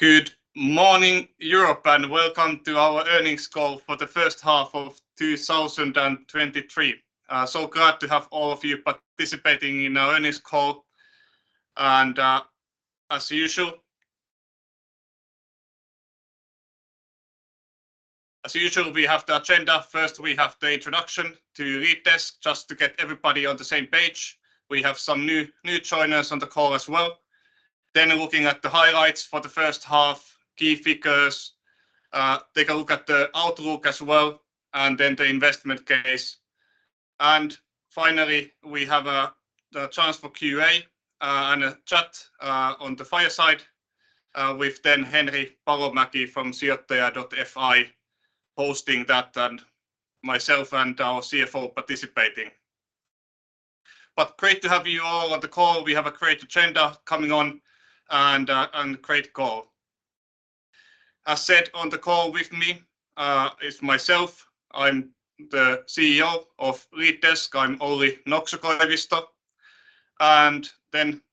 Good morning, Europe, welcome to our earnings call for the first half of 2023. Glad to have all of you participating in our earnings call. As usual, as usual, we have the agenda. First, we have the introduction to LeadDesk, just to get everybody on the same page. We have some new, new joiners on the call as well. Looking at the highlights for the first half, key figures, take a look at the outlook as well, and then the investment case. Finally, we have the chance for QA and a chat on the fireside with then Henri Palomäki from Sijoittaja.fi, hosting that, and myself and our CFO participating. Great to have you all on the call. We have a great agenda coming on and, and great call. As said, on the call with me, is myself, I'm the CEO of LeadDesk, I'm Olli Nokso-Koivisto.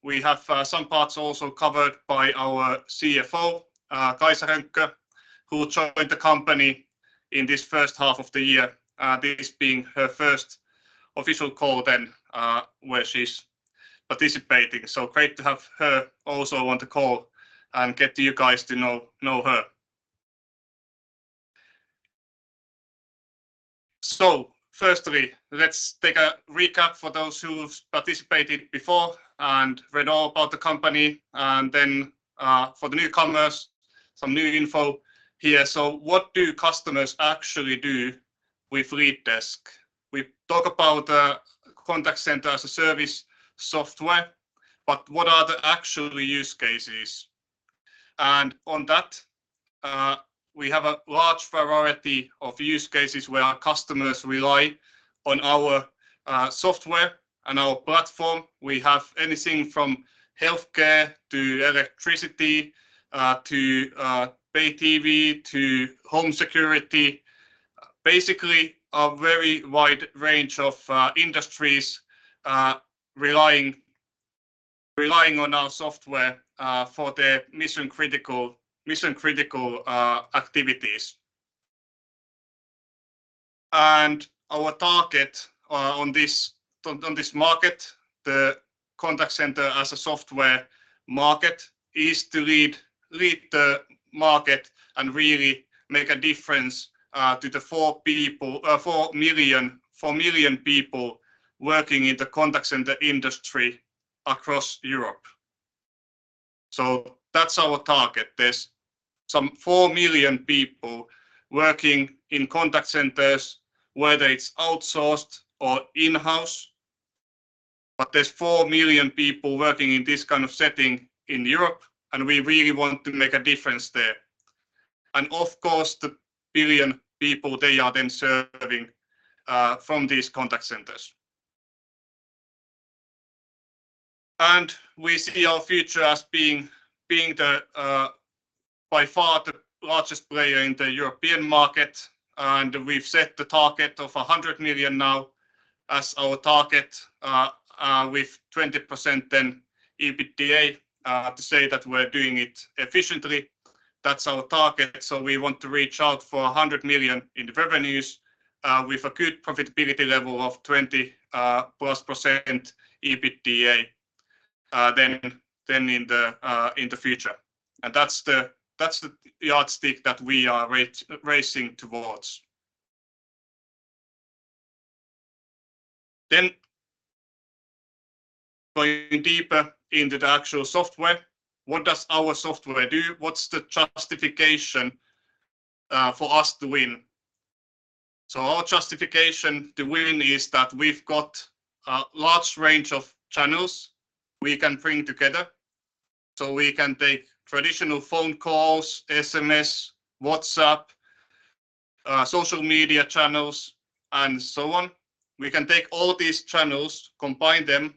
We have some parts also covered by our CFO, Kaisa Rönkkö, who joined the company in this first half of the year, this being her first official call then, where she's participating. Great to have her also on the call and get you guys to know, know her. Firstly, let's take a recap for those who've participated before and read all about the company, and then, for the newcomers, some new info here. What do customers actually do with LeadDesk? We talk about Contact Center as a Service software, but what are the actual use cases? On that, we have a large variety of use cases where our customers rely on our software and our platform. We have anything from healthcare to electricity, to pay TV, to home security. Basically, a very wide range of industries, relying, relying on our software for their mission critical, mission critical activities. Our target on this market, the contact center as a software market, is to lead, lead the market and really make a difference to the 4 million people working in the contact center industry across Europe. That's our target. There's some 4 million people working in contact centers, whether it's outsourced or in-house, but there's 4 million people working in this kind of setting in Europe, and we really want to make a difference there. Of course, the 1 billion people they are then serving from these contact centers. We see our future as being, being the by far the largest player in the European market, and we've set the target of 100 million now as our target with 20% then EBITDA to say that we're doing it efficiently. That's our target. We want to reach out for 100 million in the revenues with a good profitability level of 20+% EBITDA then, then in the in the future. That's the, that's the yardstick that we are racing towards. Going deeper into the actual software, what does our software do? What's the justification for us to win? Our justification to win is that we've got a large range of channels we can bring together. We can take traditional phone calls, SMS, WhatsApp, social media channels, and so on. We can take all these channels, combine them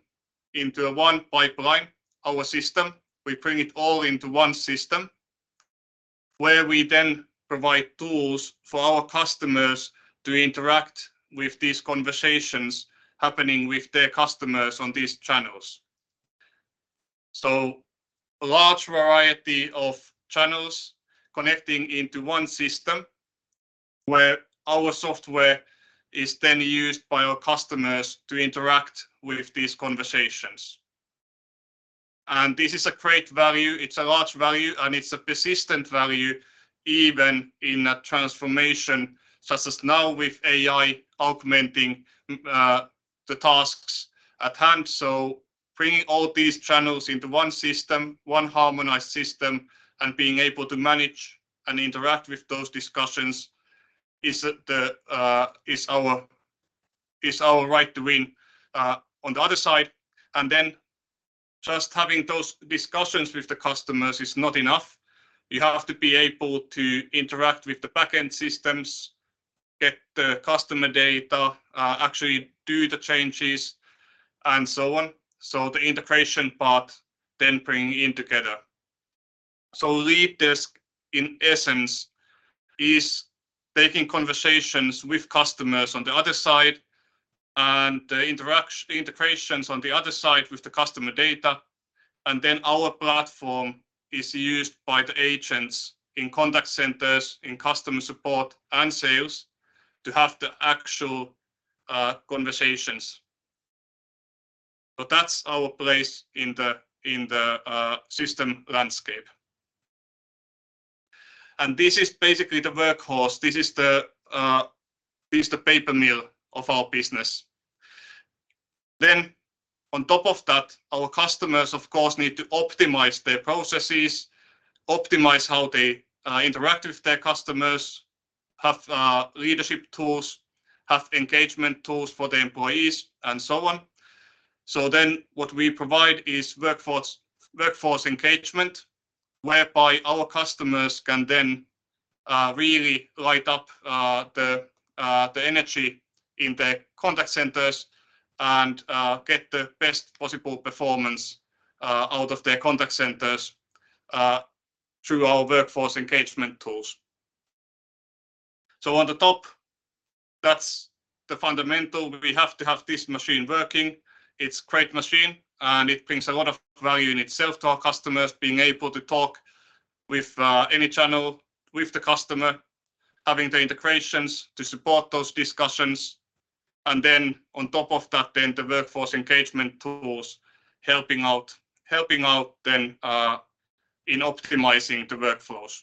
into one pipeline, our system. We bring it all into one system, where we then provide tools for our customers to interact with these conversations happening with their customers on these channels. A large variety of channels connecting into one system, where our software is then used by our customers to interact with these conversations. This is a great value, it's a large value, and it's a persistent value, even in a transformation, such as now with AI augmenting, the tasks at hand. Bringing all these channels into one system, one harmonized system, and being able to manage and interact with those discussions is the, is our, is our right to win, on the other side. Then just having those discussions with the customers is not enough. You have to be able to interact with the back-end systems, get the customer data, actually do the changes, and so on. The integration part, then bringing in together. LeadDesk, in essence, is taking conversations with customers on the other side-... The integrations on the other side with the customer data, and then our platform is used by the agents in contact centers, in customer support and sales, to have the actual conversations. That's our place in the, in the, system landscape. This is basically the workhorse. This is the, this is the paper mill of our business. On top of that, our customers, of course, need to optimize their processes, optimize how they interact with their customers, have leadership tools, have engagement tools for the employees, and so on. What we provide is workforce, workforce engagement, whereby our customers can then really light up the energy in the contact centers and get the best possible performance out of their contact centers through our workforce engagement tools. On the top, that's the fundamental. We have to have this machine working. It's great machine, and it brings a lot of value in itself to our customers, being able to talk with any channel, with the customer, having the integrations to support those discussions, and then on top of that, then the workforce engagement tools, helping out, helping out then in optimizing the workflows.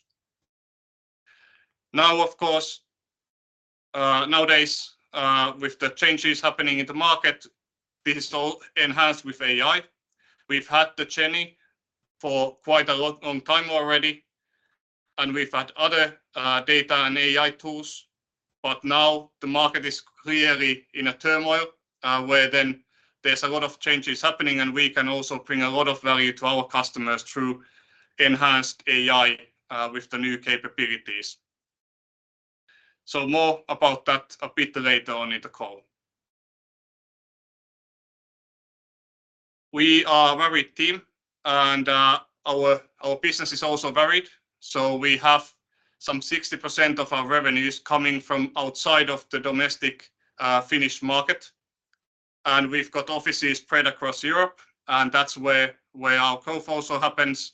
Of course, nowadays, with the changes happening in the market, this is all enhanced with AI. We've had the Journey for quite a long, long time already, and we've had other data and AI tools, but now the market is clearly in a turmoil, where then there's a lot of changes happening, and we can also bring a lot of value to our customers through enhanced AI with the new capabilities. More about that a bit later on in the call. We are a varied team, and our, our business is also varied, so we have some 60% of our revenues coming from outside of the domestic Finnish market, and we've got offices spread across Europe, and that's where, where our growth also happens.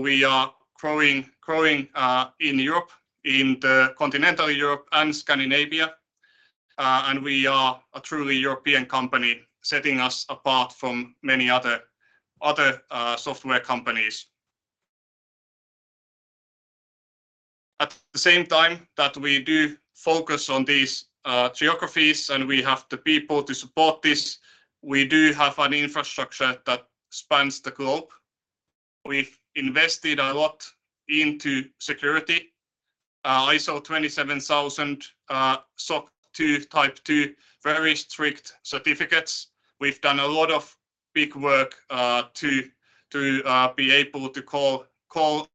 We are growing, growing in Europe, in the continental Europe and Scandinavia, and we are a truly European company, setting us apart from many other, other software companies. At the same time that we do focus on these geographies, and we have the people to support this, we do have an infrastructure that spans the globe. We've invested a lot into security. ISO 27001, SOC 2 Type 2, very strict certificates. We've done a lot of big work to be able to call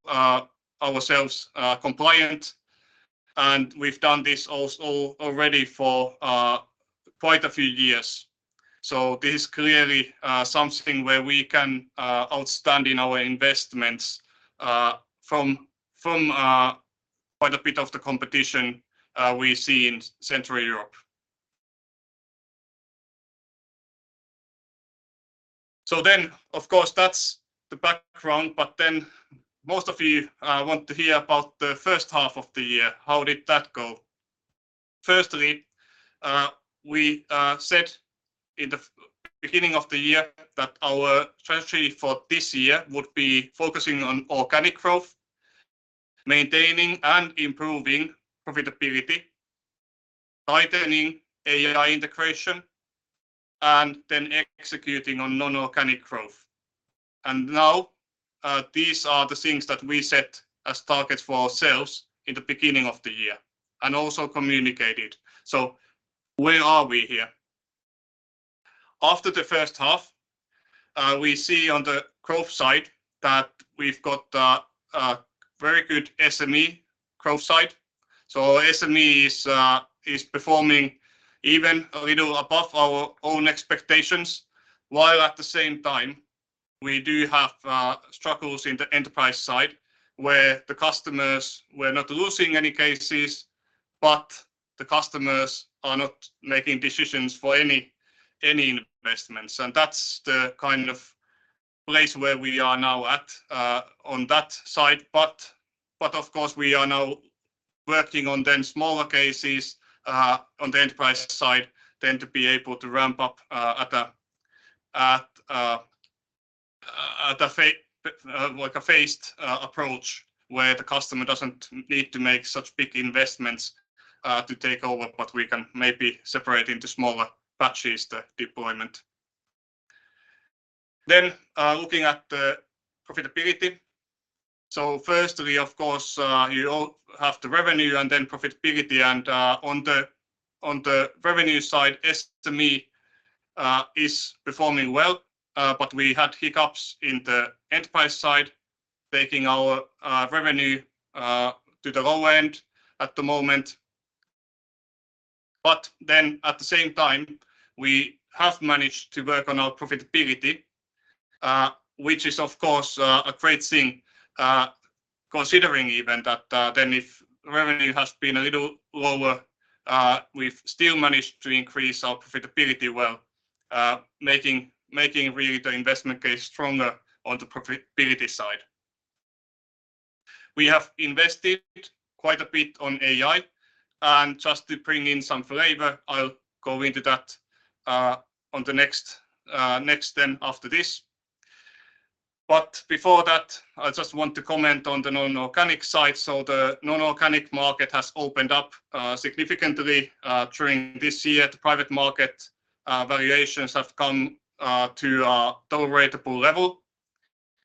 ourselves compliant, and we've done this also already for quite a few years. This is clearly something where we can outstanding our investments from quite a bit of the competition we see in Central Europe. Then, of course, that's the background, but then most of you want to hear about the first half of the year. How did that go? Firstly, we said in the beginning of the year that our strategy for this year would be focusing on organic growth, maintaining and improving profitability, tightening AI integration, then executing on non-organic growth. Now, these are the things that we set as targets for ourselves in the beginning of the year, and also communicated. Where are we here? After the first half, we see on the growth side that we've got a very good SME growth side. SME is performing even a little above our own expectations, while at the same time, we do have struggles in the enterprise side, where the customers, we're not losing any cases, but the customers are not making decisions for any investments. That's the kind of place where we are now at, on that side. Of course, we are now working on then smaller cases on the enterprise side, then to be able to ramp up at a like a phased approach, where the customer doesn't need to make such big investments to take over, but we can maybe separate into smaller batches, the deployment. Looking at the profitability. Firstly, of course, you all have the revenue and then profitability, and on the revenue side, SME is performing well, but we had hiccups in the enterprise side, taking our revenue to the low end at the moment. At the same time, we have managed to work on our profitability-... which is of course, a great thing, considering even that, then if revenue has been a little lower, we've still managed to increase our profitability well, making, making really the investment case stronger on the profitability side. We have invested quite a bit on AI, and just to bring in some flavor, I'll go into that, on the next, next then after this. Before that, I just want to comment on the non-organic side. The non-organic market has opened up significantly during this year. The private market, valuations have come to a tolerable level,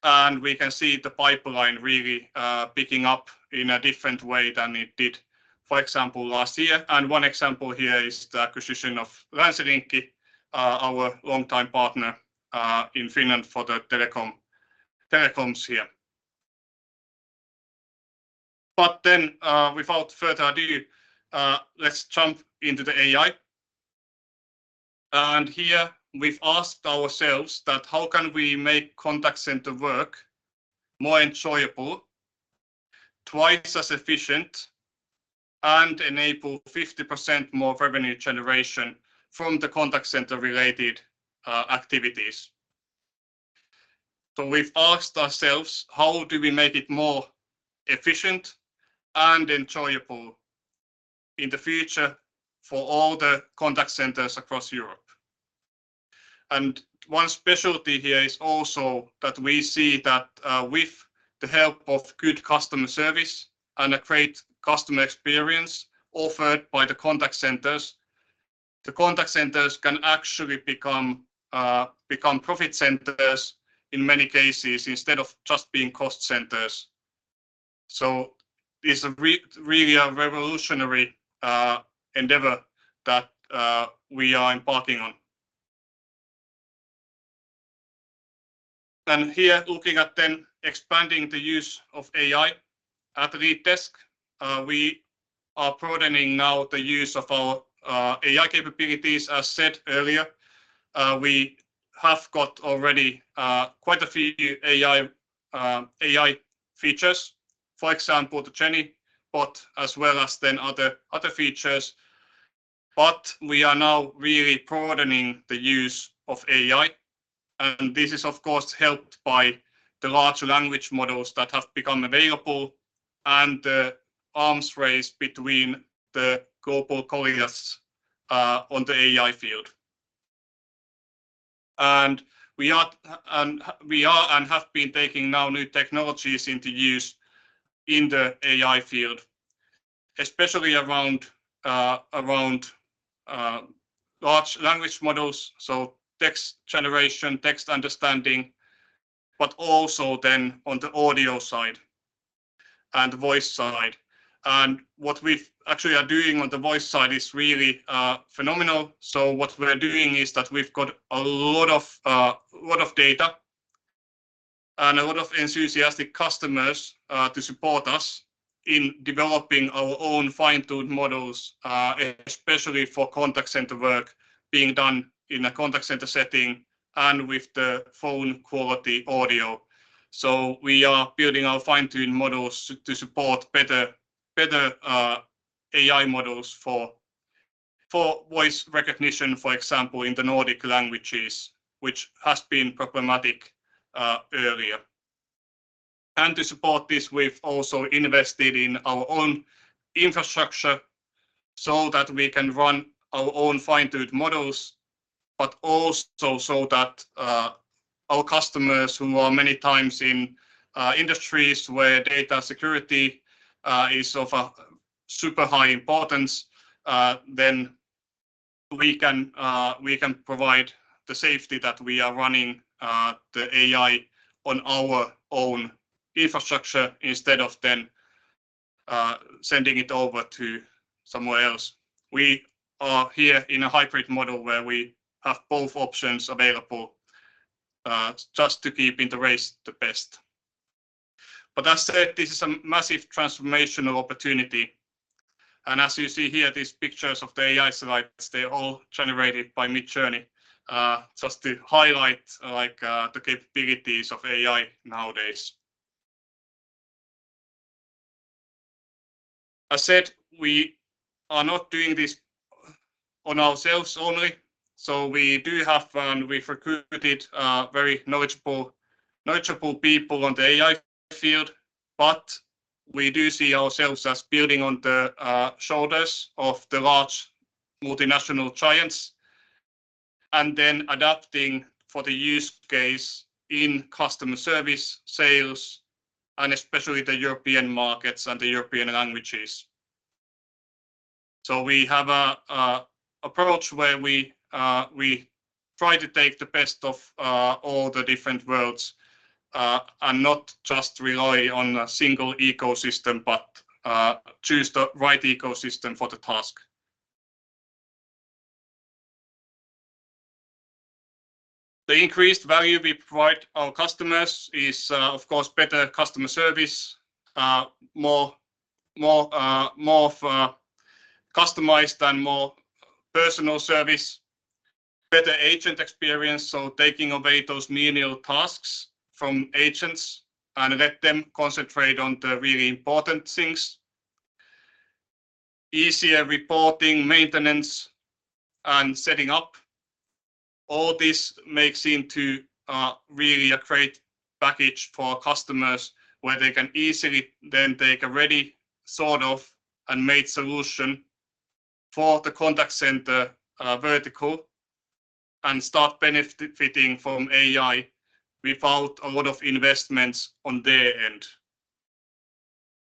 and we can see the pipeline really picking up in a different way than it did, for example, last year. One example here is the acquisition of Länsilinkki, our longtime partner, in Finland for the telecom, telecoms here. Without further ado, let's jump into the AI. Here we've asked ourselves that, how can we make contact center work more enjoyable, 2x as efficient, and enable 50% more revenue generation from the contact center-related activities? We've asked ourselves, how do we make it more efficient and enjoyable in the future for all the contact centers across Europe? One specialty here is also that we see that, with the help of good customer service and a great customer experience offered by the contact centers, the contact centers can actually become profit centers in many cases, instead of just being cost centers. It's really a revolutionary endeavor that we are embarking on. Here, looking at then expanding the use of AI. At LeadDesk, we are broadening now the use of our AI capabilities, as said earlier. We have got already quite a few AI, AI features, for example, the Journey, but as well as then other, other features. We are now really broadening the use of AI, and this is, of course, helped by the large language models that have become available and the arms race between the global colossus on the AI field. We are and have been taking now new technologies into use in the AI field, especially around large language models, so text generation, text understanding, but also then on the audio side and voice side. What we've actually are doing on the voice side is really phenomenal. What we're doing is that we've got a lot of data and a lot of enthusiastic customers to support us in developing our own fine-tuned models especially for contact center work being done in a contact center setting and with the phone quality audio. We are building our fine-tune models to support better, better AI models for voice recognition, for example, in the Nordic languages, which has been problematic earlier. To support this, we've also invested in our own infrastructure so that we can run our own fine-tuned models, but also so that our customers, who are many times in industries where data security is of a super high importance, then we can provide the safety that we are running the AI on our own infrastructure instead of then sending it over to somewhere else. We are here in a hybrid model where we have both options available, just to keep in the race the best. As said, this is a massive transformational opportunity, and as you see here, these pictures of the AI slides, they're all generated by Midjourney, just to highlight, like, the capabilities of AI nowadays. I said, we are not doing this on ourselves only, so we do have, and we've recruited, very knowledgeable, knowledgeable people on the AI field, but we do see ourselves as building on the shoulders of the large multinational giants, and then adapting for the use case in customer service, sales, and especially the European markets and the European languages. We have a, a approach where we, we try to take the best of all the different worlds, and not just rely on a single ecosystem, but, choose the right ecosystem for the task. The increased value we provide our customers is, of course, better customer service, more, more, more of, customized and more-... personal service, better agent experience, so taking away those menial tasks from agents and let them concentrate on the really important things. Easier reporting, maintenance, and setting up. All this makes into really a great package for customers, where they can easily then take a ready sort of and made solution for the contact center vertical, and start benefiting from AI without a lot of investments on their end.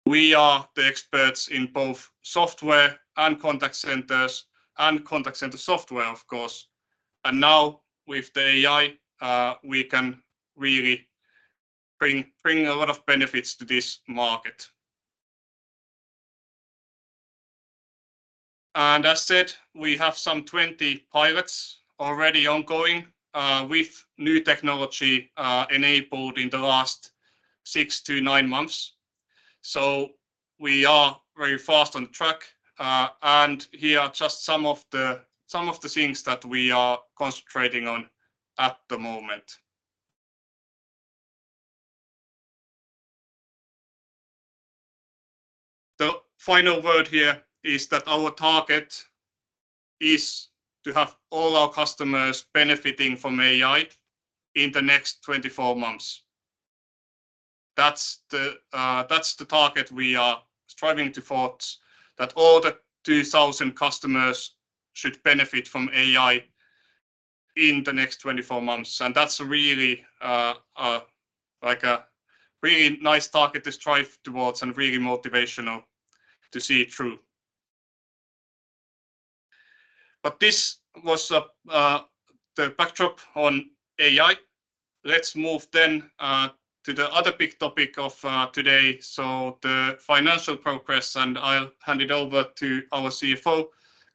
We are the experts in both software and contact centers, and contact center software, of course. Now, with the AI, we can really bring, bring a lot of benefits to this market. As said, we have some 20 pilots already ongoing with new technology enabled in the last 6-9 months. We are very fast on track. Here are just some of the, some of the things that we are concentrating on at the moment. The final word here is that our target is to have all our customers benefiting from AI in the next 24 months. That's the, that's the target we are striving towards, that all the 2,000 customers should benefit from AI in the next 24 months, and that's really like a really nice target to strive towards and really motivational to see it through. This was the backdrop on AI. Let's move then to the other big topic of today, so the financial progress. I'll hand it over to our CFO,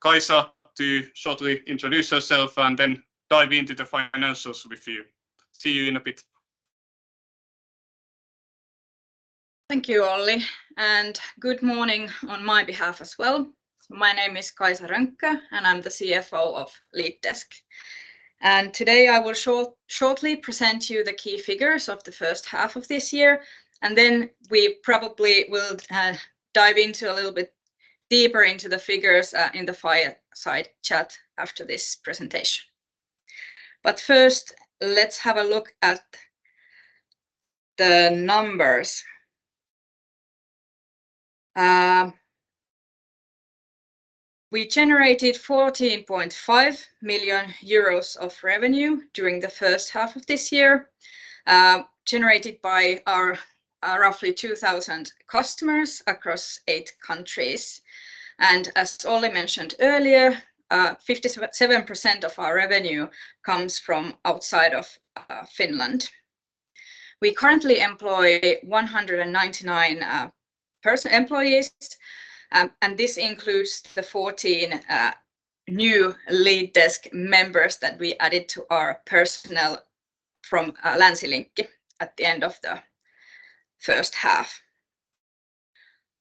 Kaisa, to shortly introduce herself and then dive into the financials with you. See you in a bit. Thank you, Olli. Good morning on my behalf as well. My name is Kaisa Rönkkö, and I'm the CFO of LeadDesk. Today I will shortly present you the key figures of the first half of this year. We probably will dive a little bit deeper into the figures in the fireside chat after this presentation. First, let's have a look at the numbers. We generated 14.5 million euros of revenue during the first half of this year, generated by our roughly 2,000 customers across eight countries. As Olli mentioned earlier, 57% of our revenue comes from outside of Finland. We currently employ 199 person... employees, and this includes the 14 new LeadDesk members that we added to our personnel from Länsilinkki at the end of the first half.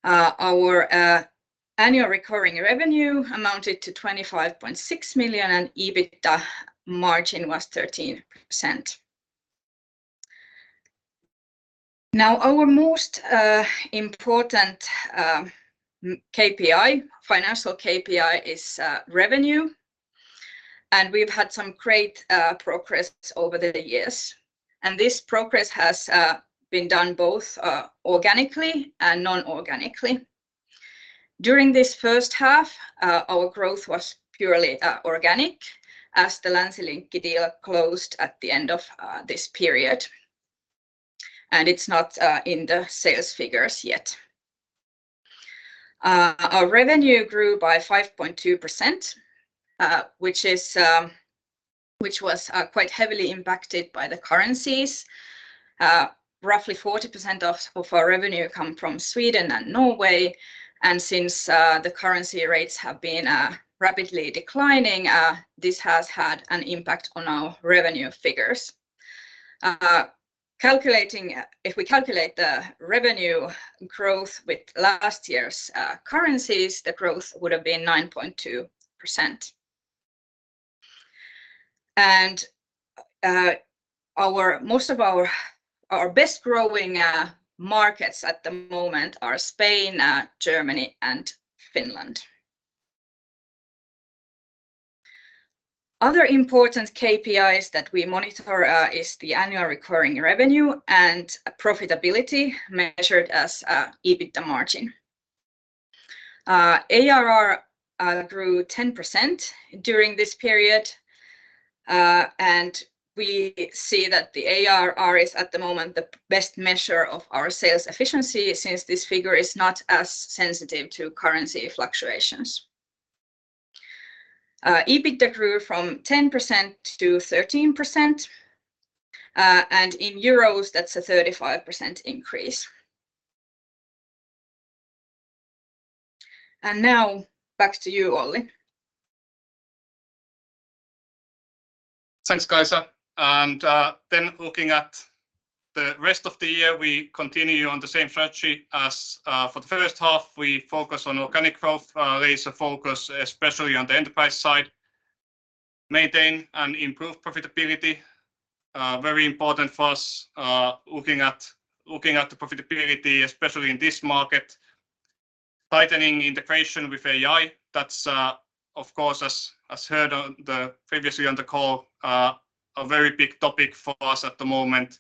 Our annual recurring revenue amounted to 25.6 million, and EBITDA margin was 13%. Now, our most important KPI, financial KPI, is revenue, and we've had some great progress over the years, and this progress has been done both organically and non-organically. During this first half, our growth was purely organic, as the Länsilinkki deal closed at the end of this period, and it's not in the sales figures yet. Our revenue grew by 5.2%, which was quite heavily impacted by the currencies. Roughly 40% of, of our revenue come from Sweden and Norway, since the currency rates have been rapidly declining, this has had an impact on our revenue figures. Calculating... If we calculate the revenue growth with last year's currencies, the growth would have been 9.2%. Our... most of our, our best growing markets at the moment are Spain, Germany, and Finland. Other important KPIs that we monitor is the annual recurring revenue and profitability, measured as EBITDA margin. ARR grew 10% during this period, and we see that the ARR is, at the moment, the best measure of our sales efficiency, since this figure is not as sensitive to currency fluctuations. EBITDA grew from 10% to 13%, and in EUR, that's a 35% increase. Now, back to you, Olli. Thanks, Kaisa. Then looking at the rest of the year, we continue on the same strategy as for the first half. We focus on organic growth, laser focus, especially on the enterprise side. Maintain and improve profitability, very important for us, looking at the profitability, especially in this market. Tightening integration with AI, that's, of course, as, as heard on the previously on the call, a very big topic for us at the moment.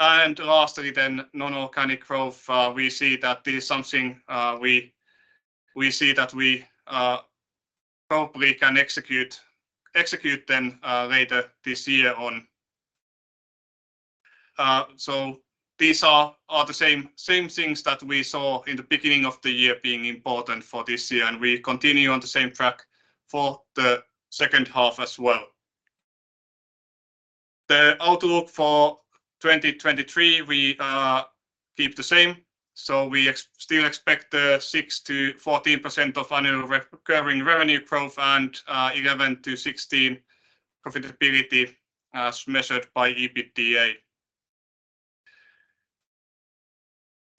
Lastly, then, non-organic growth, we see that this is something, we see that we, probably can execute, execute then, later this year on. So these are the same things that we saw in the beginning of the year being important for this year, and we continue on the same track for the second half as well. The outlook for 2023, we keep the same, so we still expect 6%-14% of annual recurring revenue growth and 11%-16% profitability, as measured by EBITDA.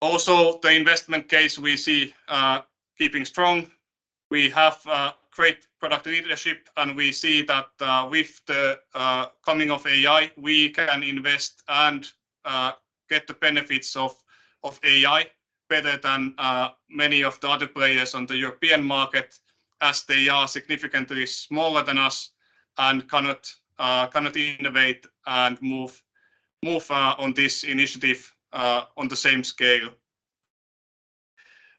The investment case, we see keeping strong. We have great product leadership, and we see that with the coming of AI, we can invest and get the benefits of AI better than many of the other players on the European market, as they are significantly smaller than us and cannot cannot innovate and move, move on this initiative on the same scale.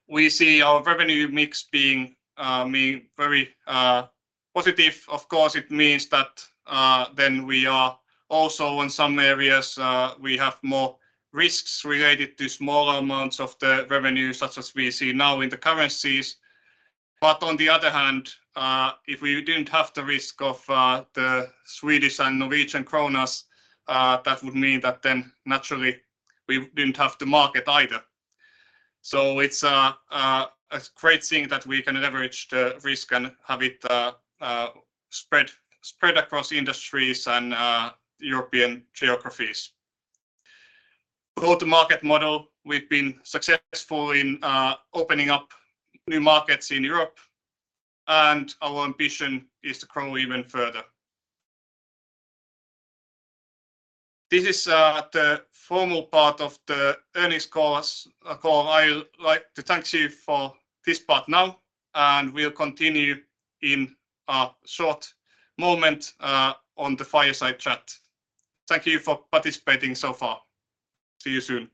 We see our revenue mix being very positive. Of course, it means that, then we are also in some areas, we have more risks related to smaller amounts of the revenue, such as we see now in the currencies. On the other hand, if we didn't have the risk of the Swedish and Norwegian kronas, that would mean that then naturally we didn't have the market either. It's a great thing that we can leverage the risk and have it spread, spread across industries and European geographies. Go-to-market model, we've been successful in opening up new markets in Europe, and our ambition is to grow even further. This is the formal part of the earnings call, call. I'd like to thank you for this part now, and we'll continue in a short moment on the fireside chat. Thank you for participating so far. See you soon.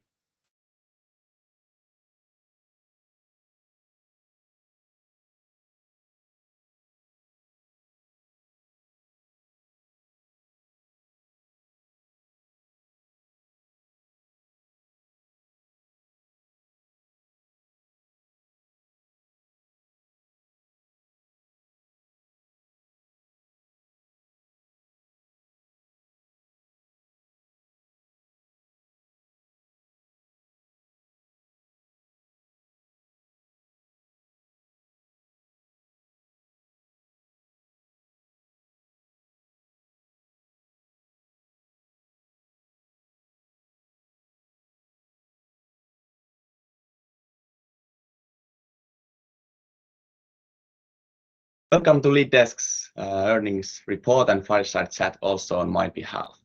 Welcome to LeadDesk's earnings report and fireside chat, also on my behalf.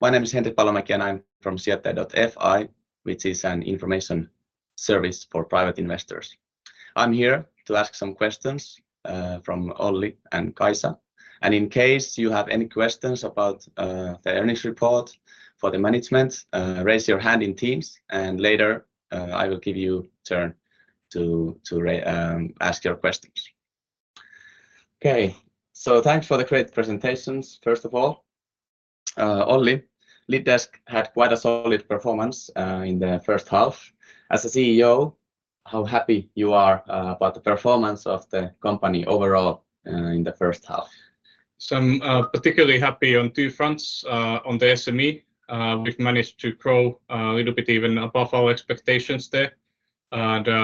My name is Henri Palomäki, and I'm from Sijoittaja.fi, which is an information service for private investors. I'm here to ask some questions from Olli and Kaisa, and in case you have any questions about the earnings report for the management, raise your hand in Teams, and later, I will give you turn to ask your questions. Okay. Thanks for the great presentations, first of all. Olli, LeadDesk had quite a solid performance in the first half. As a CEO, how happy you are about the performance of the company overall in the first half? I'm particularly happy on two fronts. On the SME, we've managed to grow a little bit even above our expectations there.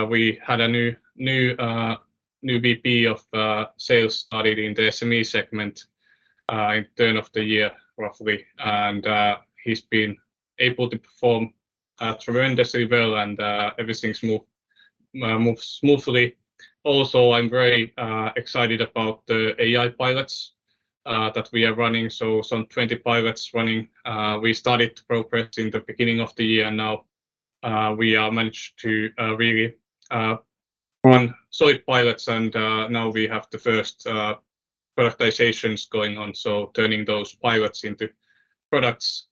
We had a new, new VP of sales started in the SME segment in turn of the year, roughly. He's been able to perform tremendously well, and everything's move moves smoothly. Also, I'm very excited about the AI pilots that we are running, so some 20 pilots running. We started progress in the beginning of the year, and now we are managed to really run solid pilots, and now we have the first prioritizations going on, so turning those pilots into products.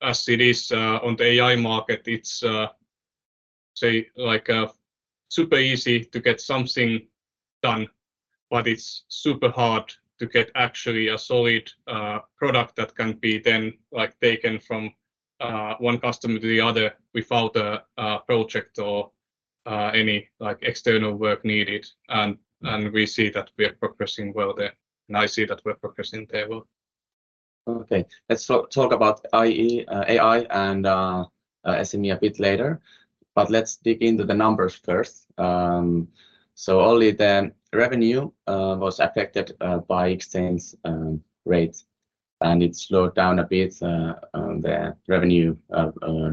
As it is, on the AI market, it's, say, like, super easy to get something done, but it's super hard to get actually a solid product that can be then, like, taken from one customer to the other without a, a project or any, like, external work needed. And we see that we are progressing well there, and I see that we're progressing there well. Okay, let's talk about IE, AI and SME a bit later, but let's dig into the numbers first. Only the revenue was affected by exchange rates, and it slowed down a bit, the revenue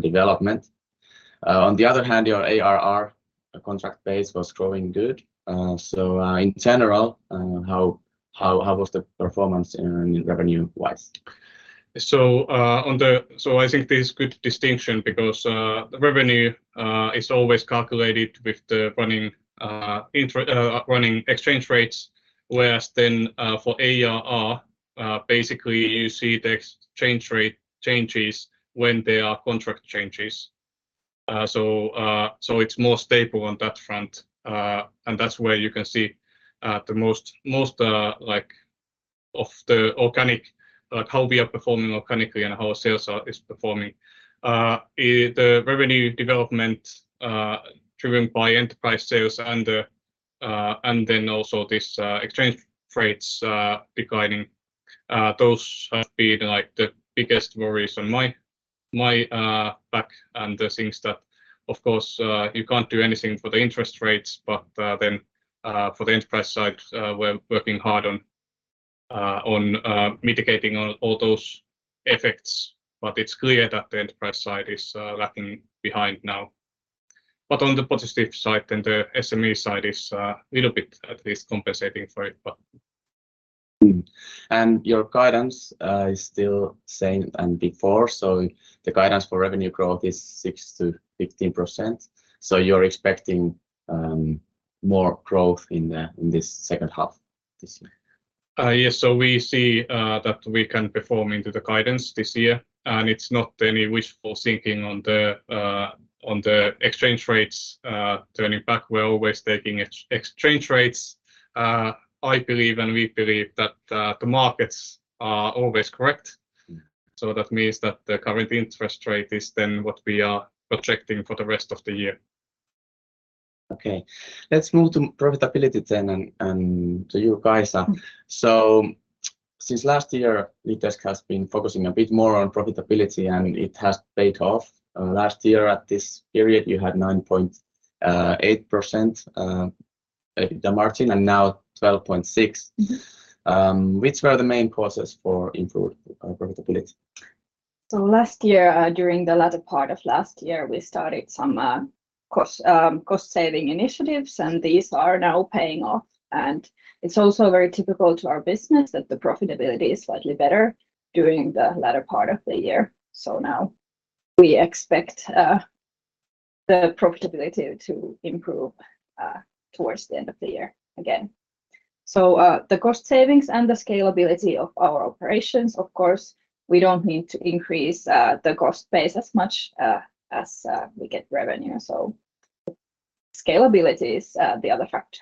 development. On the other hand, your ARR contract base was growing good. In general, how was the performance in revenue-wise? On the... I think there's good distinction because the revenue is always calculated with the running inter- running exchange rates, whereas for ARR, basically you see the exchange rate changes when there are contract changes. So it's more stable on that front, and that's where you can see the most, most, like of the organic, like how we are performing organically and how sales are, is performing. The revenue development, driven by enterprise sales and, and then also this exchange rates, declining, those have been like the biggest worries on my, my back. The things that, of course, you can't do anything for the interest rates, but, then, for the enterprise side, we're working hard on, on, mitigating all, all those effects. It's clear that the enterprise side is lagging behind now. On the positive side, then the SME side is little bit at least compensating for it, but... Your guidance is still same than before, so the guidance for revenue growth is 6%-15%. You're expecting more growth in the, in this second half this year? Yes. We see, that we can perform into the guidance this year, and it's not any wishful thinking on the, on the exchange rates, turning back. We're always taking ex- exchange rates. I believe and we believe that, the markets are always correct. Mm. That means that the current interest rate is then what we are projecting for the rest of the year. Okay. Let's move to profitability then, and, and to you, Kaisa. Mm. Since last year, LeadDesk has been focusing a bit more on profitability, and it has paid off. Last year at this period, you had 9.8% the margin, and now 12.6%. Mm. Which were the main causes for improved profitability? Last year, during the latter part of last year, we started some cost, cost-saving initiatives, and these are now paying off. It's also very typical to our business that the profitability is slightly better during the latter part of the year. Now we expect the profitability to improve towards the end of the year again. The cost savings and the scalability of our operations, of course, we don't need to increase the cost base as much as we get revenue. Scalability is the other factor.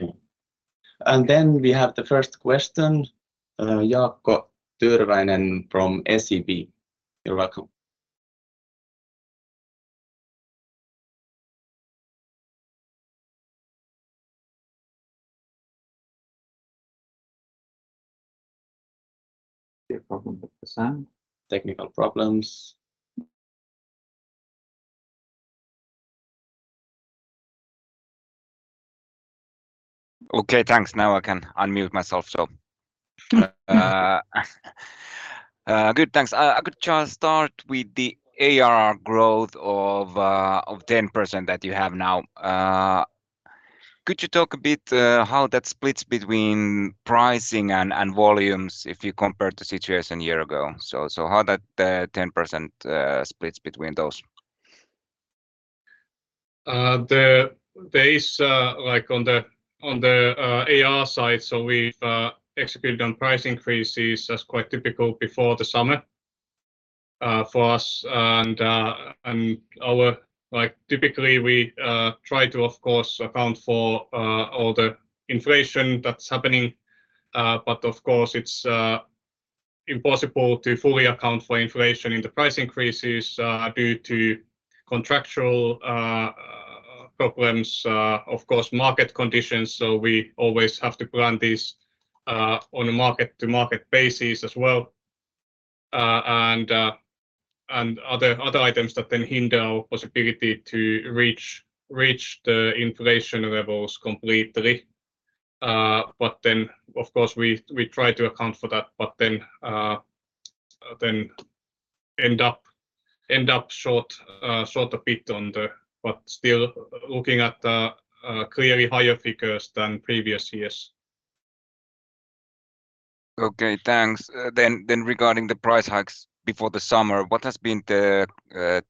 Okay. Then we have the first question, Jaakko Tyrväinen from SEB. You're welcome. A problem with the sound. Technical problems. Okay, thanks. Now I can unmute myself. Good, thanks. I could just start with the ARR growth of 10% that you have now. Could you talk a bit how that splits between pricing and volumes if you compare the situation a year ago? How that 10% splits between those? The base, like on the ARR side, so we've executed on price increases. That's quite typical before the summer for us. Our... Like, typically, we try to, of course, account for all the inflation that's happening. Of course, it's impossible to fully account for inflation in the price increases due to contractual problems, of course, market conditions. We always have to plan this on a market-to-market basis as well, and other, other items that then hinder our possibility to reach, reach the inflation levels completely. Then, of course, we try to account for that, but then end up short, short a bit on the... Still looking at clearly higher figures than previous years. Okay, thanks. Then, then regarding the price hikes before the summer, what has been the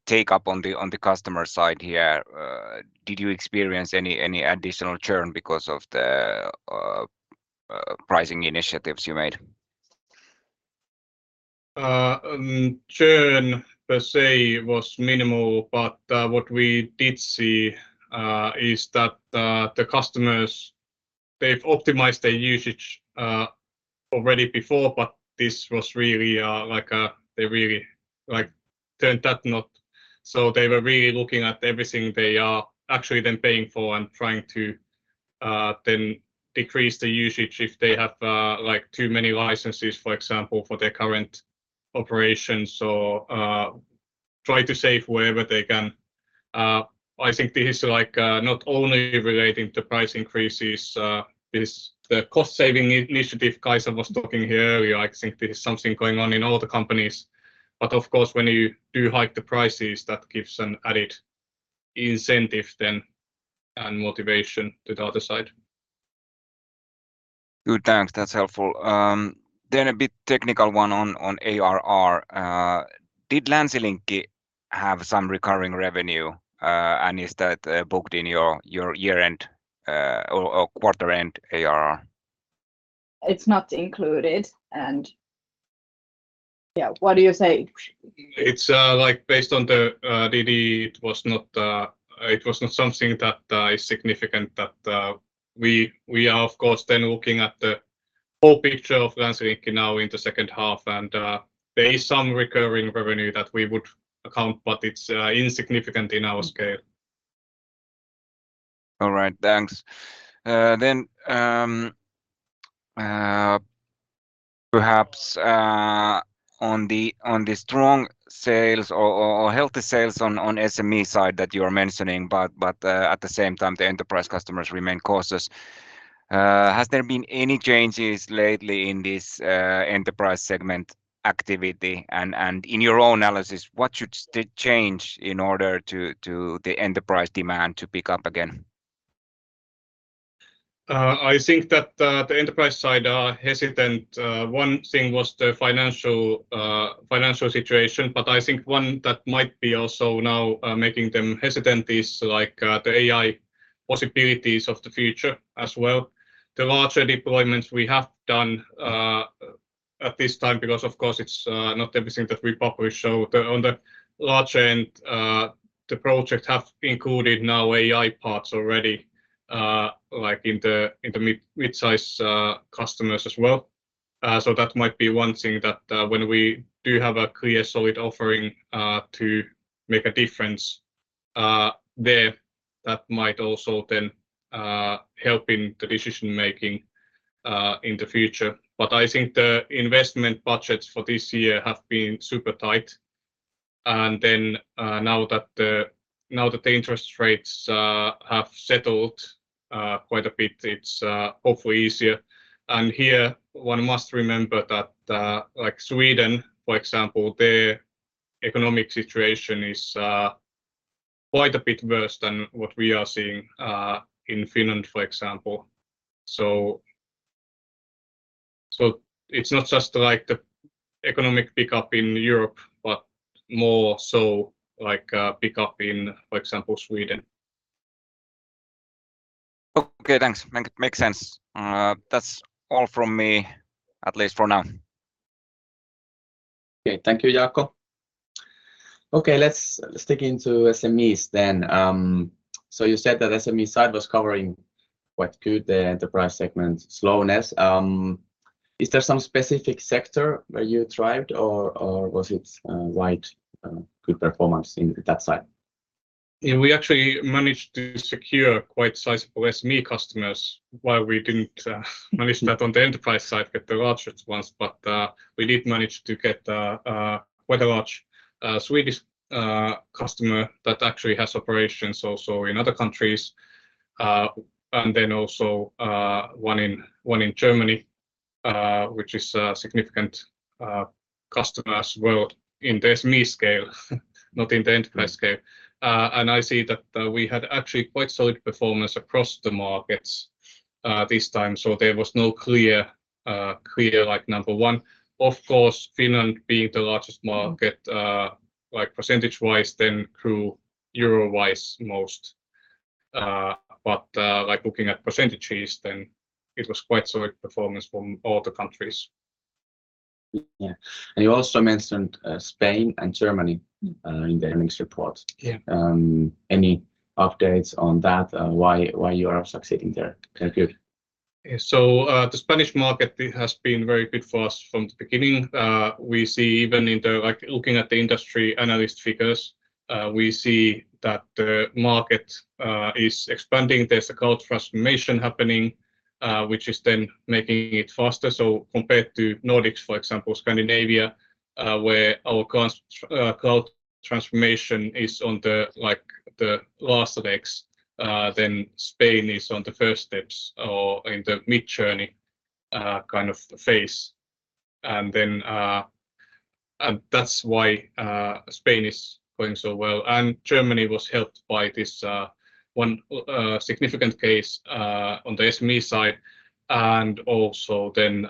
take-up on the customer side here? Did you experience any additional churn because of the pricing initiatives you made? Churn per se was minimal, but what we did see is that the customers, they've optimized their usage already before, but this was really like they really, like, turned that knot. They were really looking at everything they are actually then paying for and trying to-... then decrease the usage if they have like too many licenses, for example, for their current operations or try to save wherever they can. I think this is like not only relating to price increases, this, the cost-saving initiative Kaisa was talking here earlier, I think this is something going on in all the companies, but of course, when you do hike the prices, that gives an added incentive then and motivation to the other side. Good. Thanks. That's helpful. A bit technical one on, on ARR. Did Länsilinkki have some recurring revenue, and is that booked in your, your year-end, or, or quarter-end ARR? It's not included. Yeah, what do you say? It's, like based on the DD, it was not, it was not something that is significant, that we, we are of course then looking at the whole picture of Länsilinkki now in the second half, and there is some recurring revenue that we would account, but it's insignificant in our scale. All right. Thanks. Then, perhaps, on the strong sales or healthy sales on SME side that you are mentioning, at the same time, the enterprise customers remain cautious. Has there been any changes lately in this enterprise segment activity? In your own analysis, what should they change in order to the enterprise demand to pick up again? I think that the enterprise side are hesitant. One thing was the financial, financial situation, but I think one that might be also now making them hesitant is, like, the AI possibilities of the future as well. The larger deployments we have done at this time, because of course, it's not everything that we publish. So the, on the larger end, the project have included now AI parts already, like in the, in the mid, mid-size, customers as well. So that might be one thing that when we do have a clear, solid offering to make a difference there, that might also then help in the decision-making in the future. I think the investment budgets for this year have been super tight. Now that the interest rates have settled quite a bit, it's hopefully easier. Here, one must remember that, like Sweden, for example, their economic situation is quite a bit worse than what we are seeing in Finland, for example. So it's not just like the economic pickup in Europe, but more so like pickup in, for example, Sweden. Okay, thanks. Make, makes sense. that's all from me, at least for now. Okay. Thank you, Jaakko. Okay, let's stick into SMEs then. You said that SME side was covering quite good the enterprise segment slowness. Is there some specific sector where you thrived, or, or was it a wide, good performance in that side? Yeah, we actually managed to secure quite sizable SME customers, while we didn't manage that on the enterprise side, get the largest ones. We did manage to get quite a large Swedish customer that actually has operations also in other countries. Also, one in Germany, which is a significant customer as well in the SME scale, not in the enterprise scale. I see that we had actually quite solid performance across the markets this time, so there was no clear, clear, like, number one. Finland being the largest market, like percentage-wise, grew euro-wise most. Like looking at percentages, it was quite solid performance from all the countries. Yeah. You also mentioned Spain and Germany in the earnings report. Yeah. Any updates on that? Why, why you are succeeding there? Very good. Yeah. The Spanish market has been very good for us from the beginning. We see even in the... Like, looking at the industry analyst figures, we see that the market is expanding. There's a cloud transformation happening, which is then making it faster. Compared to Nordics, for example, Scandinavia, where our cons- cloud transformation is on the, like, the last legs, then Spain is on the first steps or in the mid-journey kind of phase. That's why Spain is going so well. Germany was helped by this 1 significant case on the SME side, and also then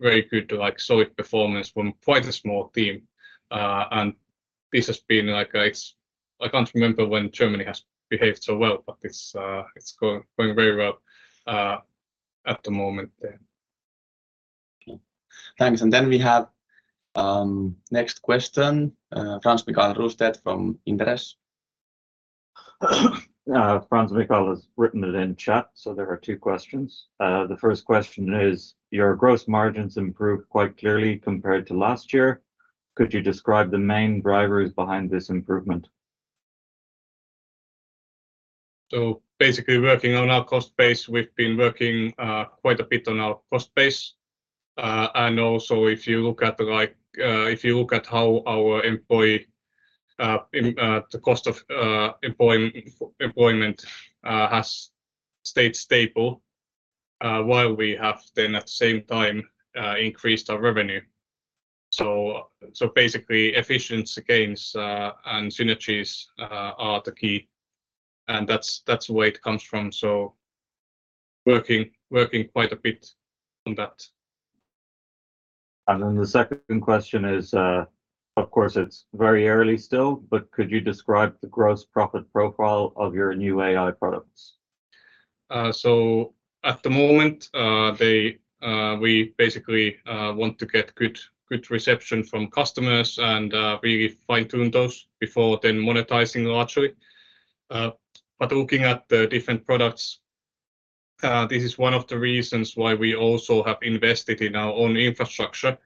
very good, like, solid performance from quite a small team. This has been like, I can't remember when Germany has behaved so well, but it's, it's going very well at the moment there. Okay. Thanks. Then we have, next question, Frans-Mikael Rostedt from Inderes. Frans-Mikael has written it in chat. There are two questions. The first question is: Your gross margins improved quite clearly compared to last year. Could you describe the main drivers behind this improvement? Basically, working on our cost base, we've been working quite a bit on our cost base. And also if you look at like, if you look at how our employee, the cost of employment has stayed stable, while we have then at the same time increased our revenue. Basically efficiency gains and synergies are the key, and that's, that's where it comes from. Working, working quite a bit on that. Then the second question is, of course, it's very early still, but could you describe the gross profit profile of your new AI products? At the moment, they, we basically want to get good, good reception from customers and really fine-tune those before then monetizing largely. Looking at the different products, this is one of the reasons why we also have invested in our own infrastructure.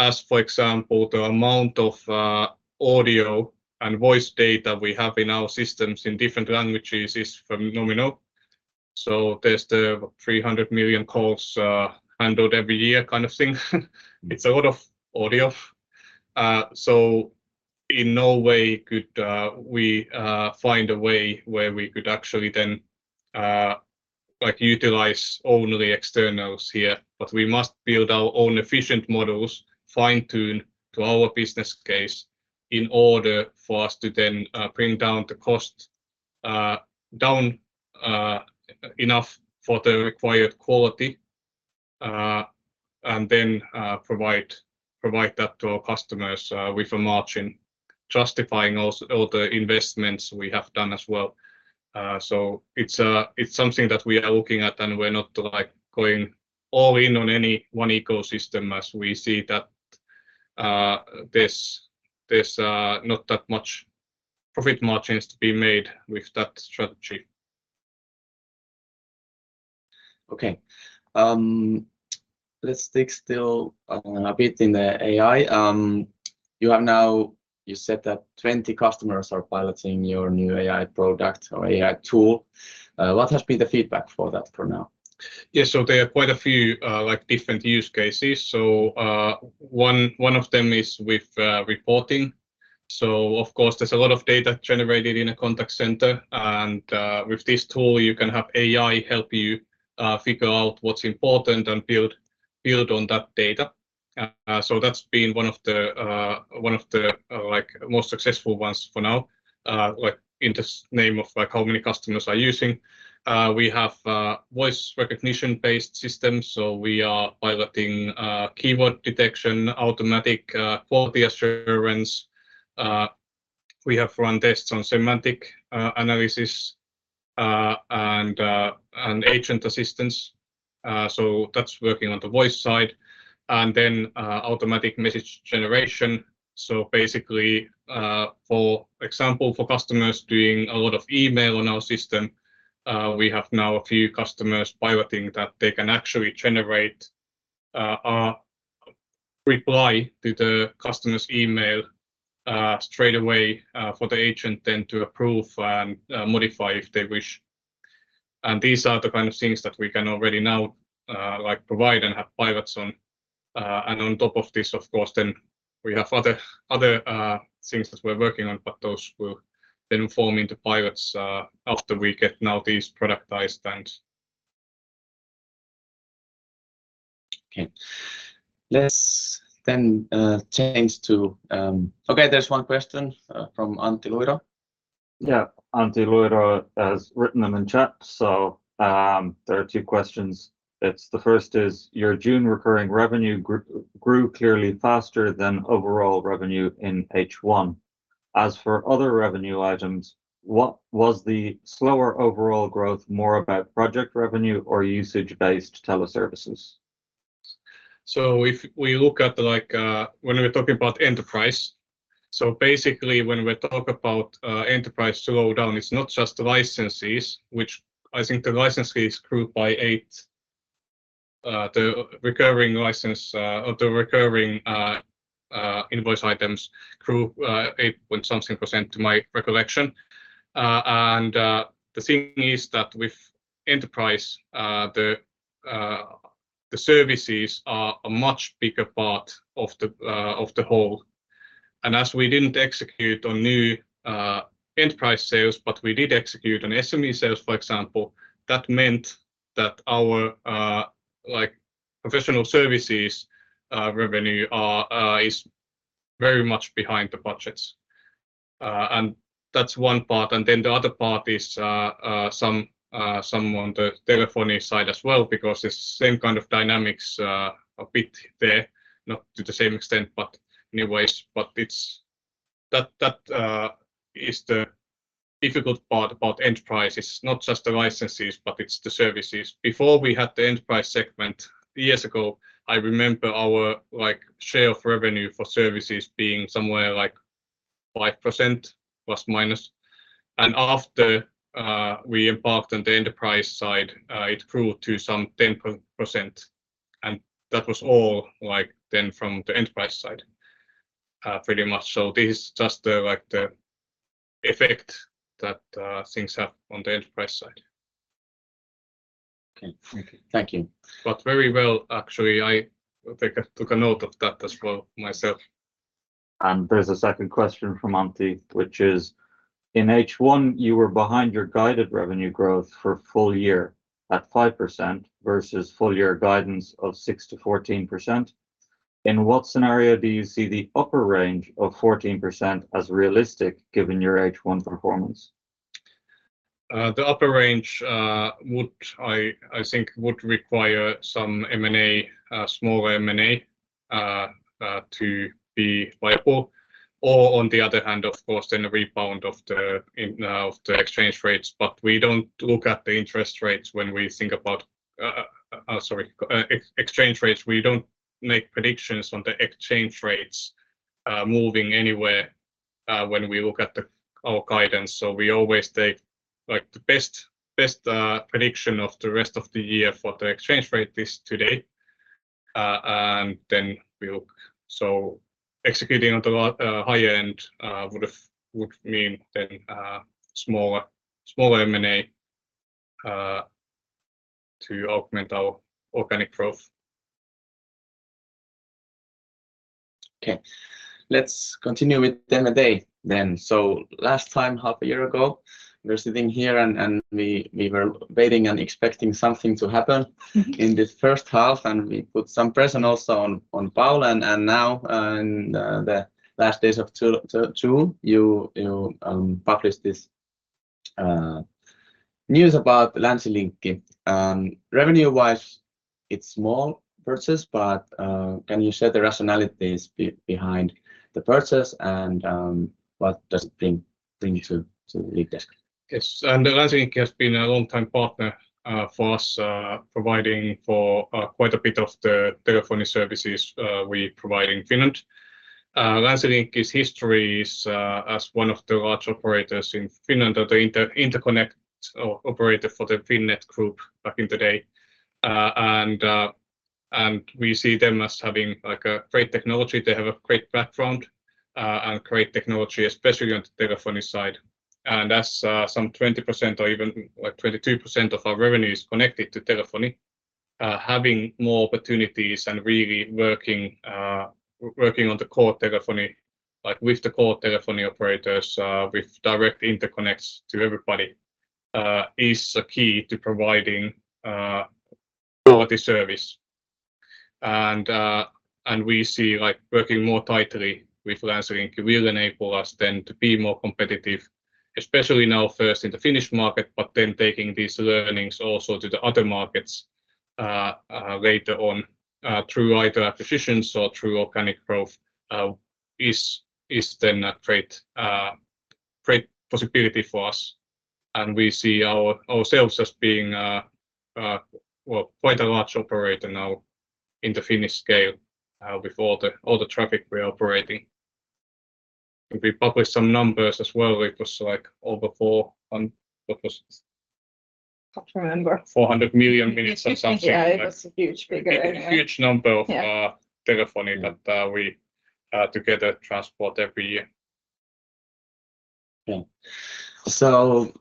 As for example, the amount of audio and voice data we have in our systems in different languages is phenomenal. There's the 300 million calls handled every year kind of thing. It's a lot of audio. In no way could we find a way where we could actually then like utilize only externals here, but we must build our own efficient models, fine-tune to our business case in order for us to then bring down the cost down enough for the required quality, and then provide, provide that to our customers with a margin justifying also all the investments we have done as well. It's something that we are looking at, and we're not like going all in on any one ecosystem as we see that there's there's not that much profit margins to be made with that strategy. Okay. Let's stick still a bit in the AI. You have now-- You said that 20 customers are piloting your new AI product or AI tool. What has been the feedback for that for now? Yeah, there are quite a few, like, different use cases. One, one of them is with reporting. Of course, there's a lot of data generated in a contact center, and with this tool, you can have AI help you figure out what's important and build, build on that data. That's been one of the, one of the, like most successful ones for now, like in the name of like how many customers are using. We have voice recognition-based systems, so we are piloting keyword detection, automatic quality assurance. We have run tests on semantic analysis, and agent assistance. That's working on the voice side. Then, automatic message generation. Basically, for example, for customers doing a lot of email on our system, we have now a few customers piloting that they can actually generate a reply to the customer's email straight away for the agent then to approve and modify if they wish. These are the kind of things that we can already now, like, provide and have pilots on. And on top of this, of course, then we have other, other things that we're working on, but those will then form into pilots after we get now these productized and... Okay. Let's then change to. Okay, there's one question from Antti Luiro. Yeah, Antti Luiro has written them in chat. There are two questions. It's the first is: Your June recurring revenue grew, grew clearly faster than overall revenue in H1. As for other revenue items, what was the slower overall growth more about project revenue or usage-based teleservices? If we look at the when we're talking about enterprise, when we talk about enterprise slowdown, it's not just the licenses, which I think the licenses grew by eight. The recurring license or the recurring invoice items grew 8 point something % to my recollection. The thing is that with enterprise, the services are a much bigger part of the whole. As we didn't execute on new enterprise sales, but we did execute on SME sales, for example, that meant that our professional services revenue is very much behind the budgets. nd then the other part is some on the telephony side as well, because it's the same kind of dynamics a bit there, not to the same extent, but anyways, but it's... That, that is the difficult part about enterprise. It's not just the licenses, but it's the services. Before we had the enterprise segment, years ago, I remember our, like, share of revenue for services being somewhere like 5%, plus, minus. After we embarked on the enterprise side, it grew to some 10%, and that was all, like, then from the enterprise side pretty much. This is just the, like, the effect that things have on the enterprise side Okay. Thank you. Very well, actually, I took a note of that as well myself. There's a second question from Antti, which is, "In H1, you were behind your guided revenue growth for full year at 5% versus full year guidance of 6%-14%. In what scenario do you see the upper range of 14% as realistic given your H1 performance? The upper range, would, I, I think, would require some M&A, smaller M&A, to be viable. On the other hand, of course, then a rebound of the exchange rates, but we don't look at the interest rates when we think about, sorry, exchange rates. We don't make predictions on the exchange rates, moving anywhere, when we look at the, our guidance. We always take, like, the best, best, prediction of the rest of the year for the exchange rate is today, and then we look. Executing on the higher end, would have, would mean then, smaller, smaller M&A, to augment our organic growth. Okay, let's continue with them today then. Last time, half a year ago, we were sitting here, and we were waiting and expecting something to happen in this first half, and we put some pressure also on Paul, and now, in the last days of June, you published this news about Länsilinkki. Revenue-wise, it's small purchase. Can you share the rationalities behind the purchase and what does it bring to LeadDesk? Yes, Länsilinkki has been a long-time partner for us, providing for quite a bit of the telephony services we provide in Finland. Länsilinkki's history is as one of the large operators in Finland, or the interconnect operator for the Finnet Group back in the day. We see them as having, like, a great technology. They have a great background and great technology, especially on the telephony side. As some 20% or even, like, 22% of our revenue is connected to telephony, having more opportunities and really working on the core telephony, like with the core telephony operators, with direct interconnects to everybody, is a key to providing quality service. We see, like, working more tightly with Länsilinkki will enable us then to be more competitive, especially now first in the Finnish market, but then taking these learnings also to the other markets later on through either acquisitions or through organic growth is then a great great possibility for us. We see ourselves as being, well, quite a large operator now in the Finnish scale, with all the all the traffic we're operating. We published some numbers as well. It was, like, over four hun- what was it? I don't remember. 400 million minutes or something like that. Yeah, it was a huge figure. A huge number of. Yeah... telephony that we together transport every year. Yeah.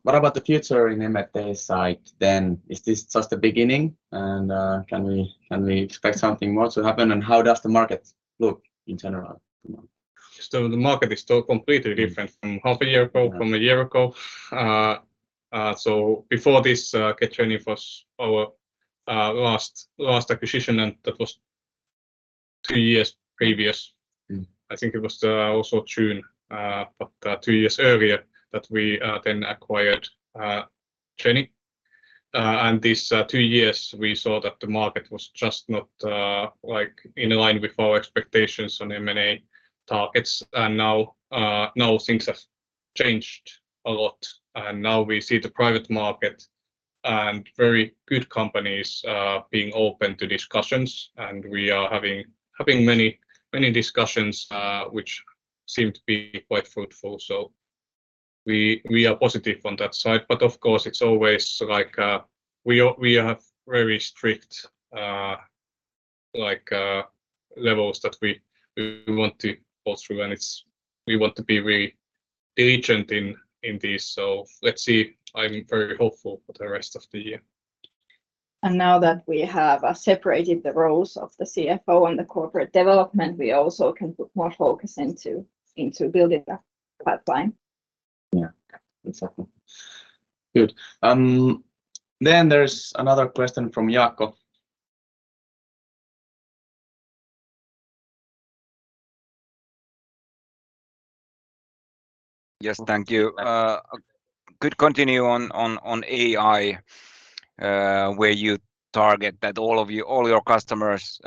What about the future in M&A side then? Is this just the beginning, and can we, can we expect something more to happen, and how does the market look in general at the moment? The market is still completely different from half a year ago, from a year ago. Before this, GetJenny was our last, last acquisition, and that was two years previous. Mm. I think it was also June, but two years earlier that we then acquired GetJenny. This two years, we saw that the market was just not like, in line with our expectations on M&A targets. Now, now things have changed a lot, and now we see the private market and very good companies being open to discussions, and we are having, having many, many discussions, which seem to be quite fruitful. We, we are positive on that side, but of course, it's always like, we have very strict, like, levels that we, we want to go through, and we want to be really diligent in, in this. Let's see. I'm very hopeful for the rest of the year. Now that we have separated the roles of the CFO and the corporate development, we also can put more focus into building the pipeline. Yeah, exactly. Good. Then there's another question from Jaakko. Yes, thank you. Could continue on, on, on AI, where you target that all your customers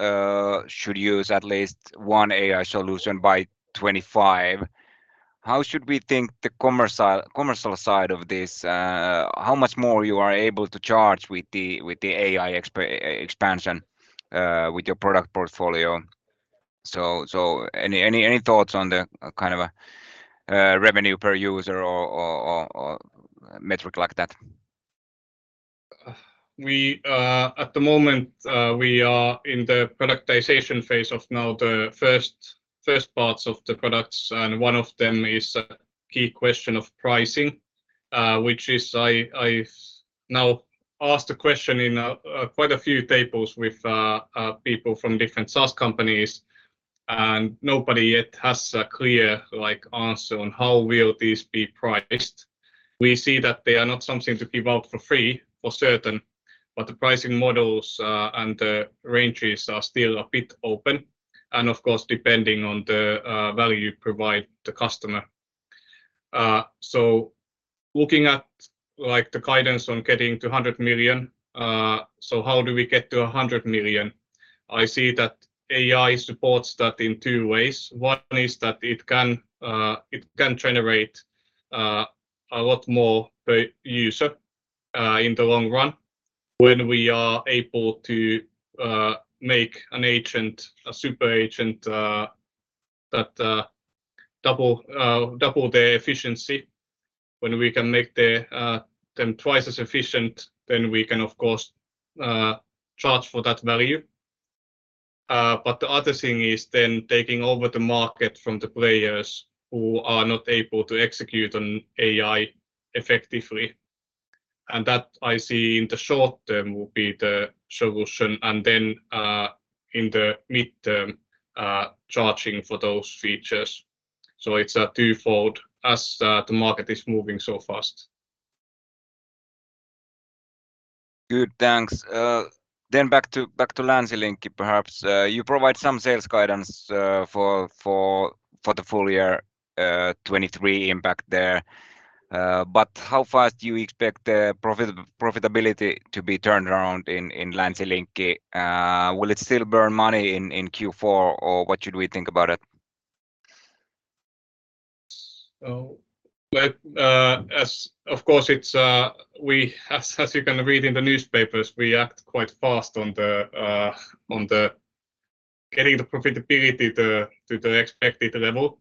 should use at least 1 AI solution by 25. How should we think the commercial, commercial side of this? How much more you are able to charge with the, with the AI expansion, with your product portfolio? So, so any, any, any thoughts on the kind of a revenue per user or, or, or, or metric like that? We, at the moment, we are in the productization phase of now the first, first parts of the products, and one of them is a key question of pricing, which is I, I now asked the question in quite a few tables with people from different SaaS companies, and nobody yet has a clear, like, answer on how will these be priced. We see that they are not something to give out for free, for certain, but the pricing models, and the ranges are still a bit open, and of course, depending on the value you provide the customer. Looking at, like, the guidance on getting to 100 million, how do we get to 100 million? I see that AI supports that in two ways. One is that it can generate a lot more per user in the long run when we are able to make an agent, a super agent, that double double the efficiency. When we can make them twice as efficient, then we can, of course, charge for that value. The other thing is then taking over the market from the players who are not able to execute on AI effectively. That I see in the short term will be the solution, then in the midterm, charging for those features. It's a twofold as the market is moving so fast. Good, thanks. Back to, back to Länsilinkki perhaps. You provide some sales guidance, for, for, for the full year, 2023 impact there. How fast do you expect the profit- profitability to be turned around in, in Länsilinkki? Will it still burn money in, in Q4, or what should we think about it? Well, as of course, it's, we, as, as you can read in the newspapers, we act quite fast on the getting the profitability to the expected level.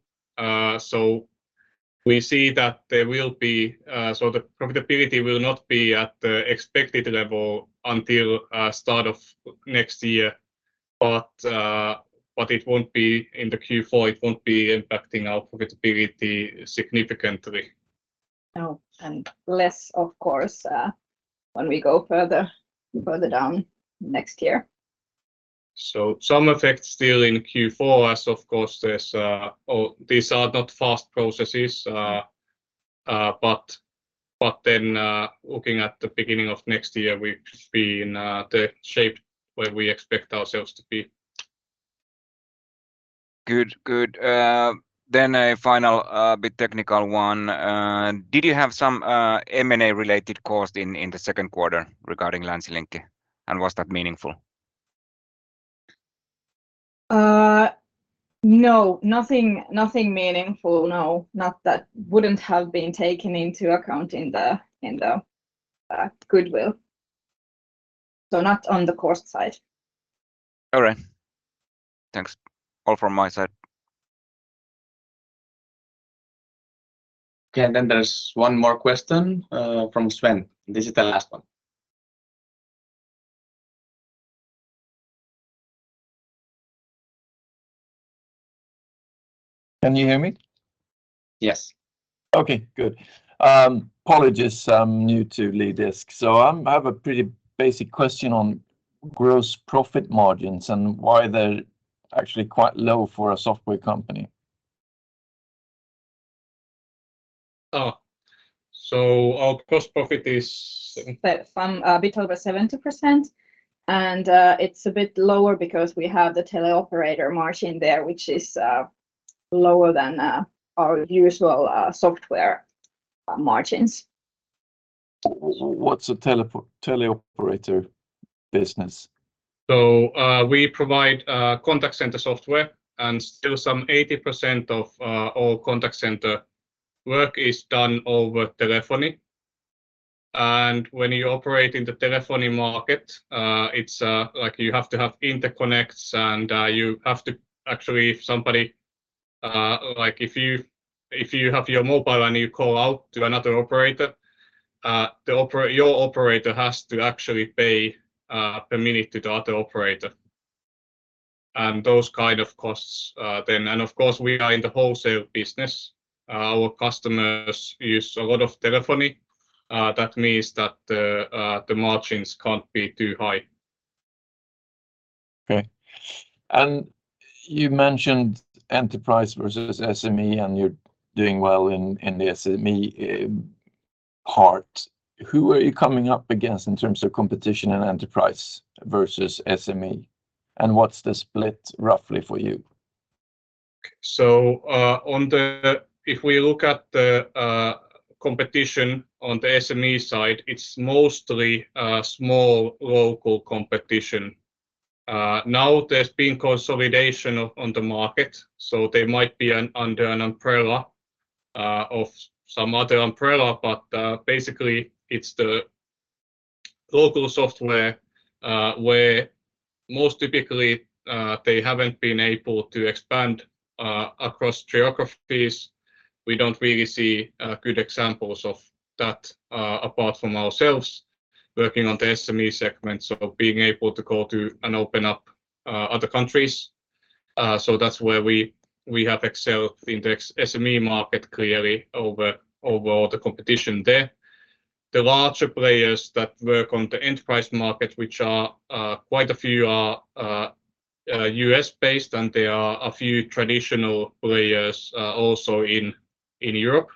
We see that there will be... The profitability will not be at the expected level until start of next year, but it won't be in the Q4, it won't be impacting our profitability significantly. Oh, and less, of course, when we go further, further down next year. Some effect still in Q4, as of course, there's, oh, these are not fast processes. But then, looking at the beginning of next year, we should be in the shape where we expect ourselves to be. Good. Good. A final, bit technical one. Did you have some M&A-related cost in, in the second quarter regarding Länsilinkki, and was that meaningful? No. Nothing, nothing meaningful, no. Not that wouldn't have been taken into account in the, in the goodwill. Not on the cost side. All right. Thanks. All from my side. Okay, and then there's one more question, from Sven. This is the last one. Can you hear me? Yes. Okay, good. Apologies, I'm new to LeadDesk, so I have a pretty basic question on gross profit margins and why they're actually quite low for a software company? Oh, so our gross profit is- From a bit over 70%, and, it's a bit lower because we have the teleoperator margin there, which is, lower than, our usual, software margins. What's a teleoperator business? We provide contact center software, and still some 80% of all contact center work is done over telephony. When you operate in the telephony market, it's like you have to have interconnects, and you have to actually, if somebody, like, if you, if you have your mobile and you call out to another operator, your operator has to actually pay per minute to the other operator, and those kind of costs then. Of course, we are in the wholesale business. Our customers use a lot of telephony. That means that the margins can't be too high. Okay. You mentioned enterprise versus SME, and you're doing well in, in the SME part. Who are you coming up against in terms of competition and enterprise versus SME, and what's the split roughly for you? If we look at the competition on the SME side, it's mostly small local competition. Now there's been consolidation on the market, so they might be under an umbrella of some other umbrella. Basically, it's the local software. Most typically, they haven't been able to expand across geographies. We don't really see good examples of that apart from ourselves working on the SME segment, so being able to go to and open up other countries. That's where we, we have excelled in the SME market clearly over, over all the competition there. The larger players that work on the enterprise market, which are quite a few, are U.S.-based, and there are a few traditional players also in Europe,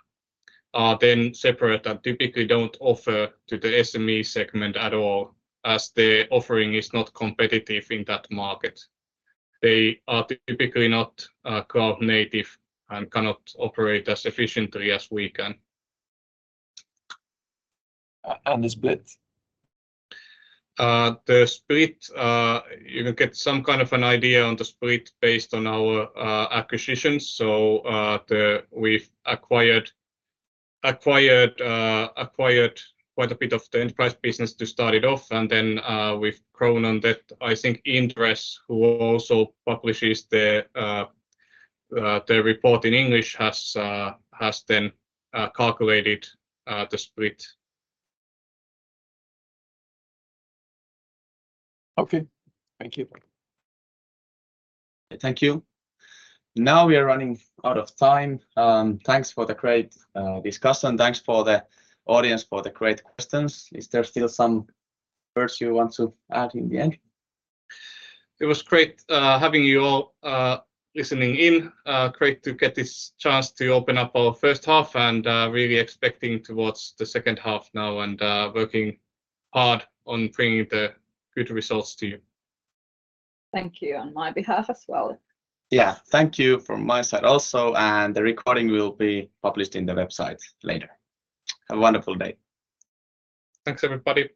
are then separate and typically don't offer to the SME segment at all, as their offering is not competitive in that market. They are typically not cloud-native and cannot operate as efficiently as we can. The split? The split, you can get some kind of an idea on the split based on our acquisitions. We've acquired, acquired, acquired quite a bit of the enterprise business to start it off, and then, we've grown on that. I think Inderes, who also publishes the, the report in English, has, has then, calculated, the split. Okay. Thank you. Thank you. Now we are running out of time. Thanks for the great discussion. Thanks for the audience for the great questions. Is there still some words you want to add in the end? It was great, having you all, listening in. Great to get this chance to open up our first half and, really expecting towards the second half now and, working hard on bringing the good results to you. Thank you on my behalf as well. Yeah, thank you from my side also. The recording will be published in the website later. Have a wonderful day. Thanks, everybody.